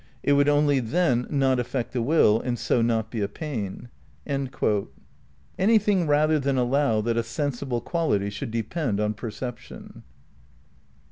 It would only then not affect the will and so not be a pain." (The same: p. 70.) Anything rather than allow that a sensible quality should depend on perception.